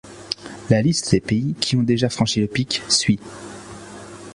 La liste des pays qui ont déjà franchi le pic suit.